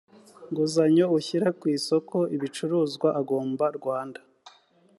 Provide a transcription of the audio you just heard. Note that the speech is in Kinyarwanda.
nguzanyo ushyira ku isoko ibicuruzwa agomba rwanda